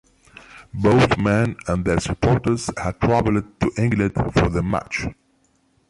Both men and their supporters had travelled to England for the match.